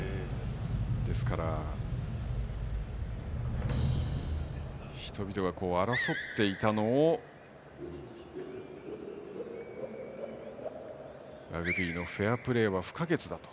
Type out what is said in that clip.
ですから人々が争っていたのをラグビーのフェアプレーは不可欠だと。